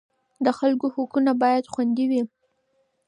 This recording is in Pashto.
د خلکو حقونه باید خوندي وي.